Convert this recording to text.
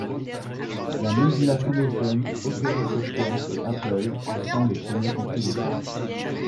La Mozilla Foundation, Opera Software et Apple en sont les premiers contributeurs.